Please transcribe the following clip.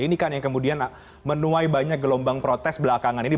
ini kan yang kemudian menuai banyak gelombang protes belakangan ini